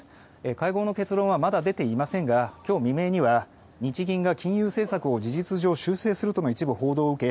会合の結論はまだ出ていませんが今日未明には日銀が金融政策を事実上修正するとの一部報道を受け